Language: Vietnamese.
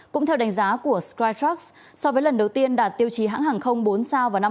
cũng theo đánh giá của skytrucks so với lần đầu tiên đạt tiêu chí hãng hàng không bốn sao vào năm hai nghìn một mươi sáu